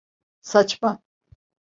Saçma.